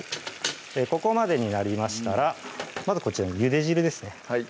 ここまでになりましたらまずこちらにゆで汁ですね